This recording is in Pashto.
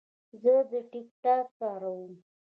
زه د ټک ټاک کاروم.